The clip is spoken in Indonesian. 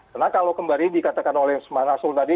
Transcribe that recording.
karena kalau kembali dikatakan oleh mas hasro tadi